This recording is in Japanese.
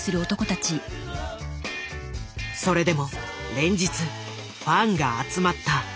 それでも連日ファンが集まった。